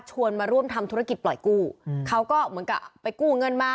มาร่วมทำธุรกิจปล่อยกู้เขาก็เหมือนกับไปกู้เงินมา